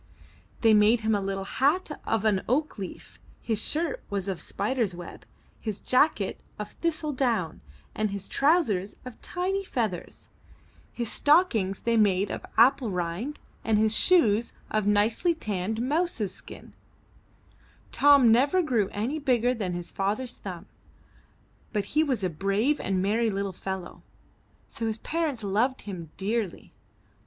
They made him a little hat of an oak leaf; his shirt was of spider's web, his jacket of thistledown, and his trousers of tiny feathers. His stockings they 262 UP ONE PAIR OF STAIRS made of apple rind and his shoes of nicely tanned mouse's skin. Tom never grew any bigger than his father's thumb, but he was a brave and merry little fellow, so his parents loved him dearly.